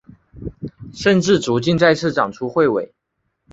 甚至逐渐再次长出彗尾。